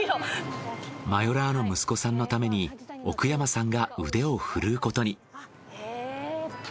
マヨラーの息子さんのために奥山さんが腕を振るうことに。